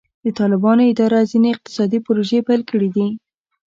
د طالبانو اداره ځینې اقتصادي پروژې پیل کړې دي.